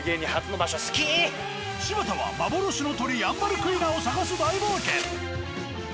柴田は幻の鳥ヤンバルクイナを探す大冒険。